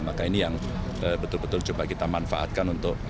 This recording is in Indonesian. maka ini yang betul betul coba kita manfaatkan untuk